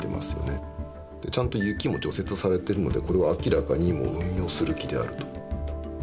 ちゃんと雪も除雪されてるのでこれは明らかにもう運用する気であると。